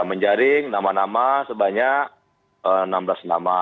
menjaring nama nama sebanyak enam belas nama